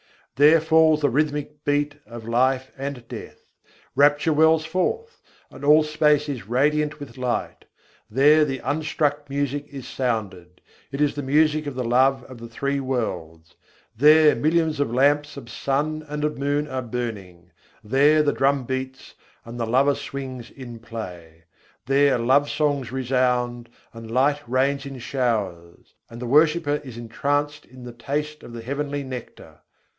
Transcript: There falls the rhythmic beat of life and death: Rapture wells forth, and all space is radiant with light. There the Unstruck Music is sounded; it is the music of the love of the three worlds. There millions of lamps of sun and of moon are burning; There the drum beats, and the lover swings in play. There love songs resound, and light rains in showers; and the worshipper is entranced in the taste of the heavenly nectar.